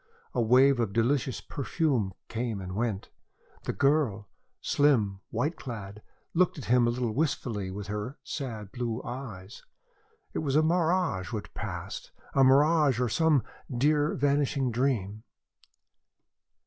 A wave of delicious perfume came and went. The girl slim, white clad looked at him a little wistfully with her sad blue eyes. It was a mirage which passed, a mirage or some dear, vanishing dream.